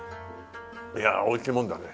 いやあ美味しいもんだね。